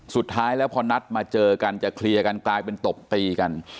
สุดท้ายแล้วพอนัดมาเจอกันจะเคลียร์กันกลายเป็นตบตีกัน